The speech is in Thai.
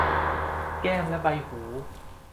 แก้มและใบหู